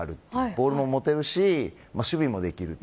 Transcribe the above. ボールも持てるし守備もできる。